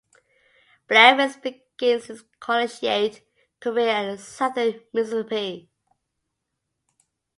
Blevins began his collegiate career at Southern Mississippi.